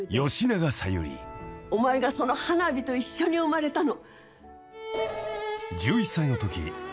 お前がその花火と一緒に生まれたの。